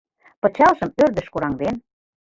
Пычалжым ӧрдыж кораҥден.